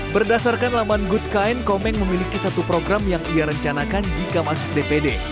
berdasarkan laman good kain komeng memiliki satu program yang ia rencanakan jika masuk dpd